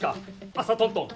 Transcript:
朝トントン。